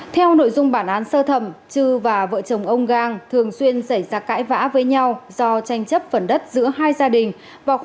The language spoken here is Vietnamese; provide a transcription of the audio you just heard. theo nội dung bản án sơ thẩm chư và vợ chồng ông gang thường xuyên xảy ra cãi vã với nhau do tranh chấp phần đất giữa hai gia đình